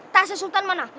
tasnya sultan mana